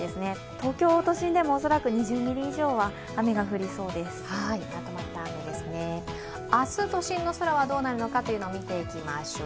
東京都心でも恐らく２０ミリ以上明日、都心の空はどうなるのか、見ていきましょう。